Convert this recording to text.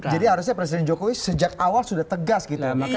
jadi harusnya presiden jokowi sejak awal sudah tegas gitu